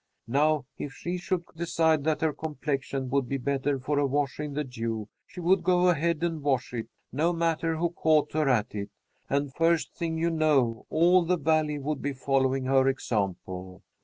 Now, if she should decide that her complexion would be better for a wash in the dew, she would go ahead and wash it, no matter who caught her at it, and, first thing you know, all the Valley would be following her example.